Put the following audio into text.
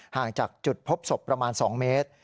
ห่างจากจุดพบศพประมาณ๒เมตร